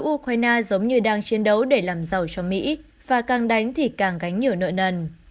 ukraine giống như đang chiến đấu để làm giàu cho mỹ và càng đánh thì càng gánh nhiều nợ nần